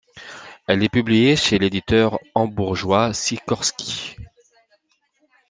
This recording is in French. Elle est publiée chez l'éditeur hambourgeois Sikorski.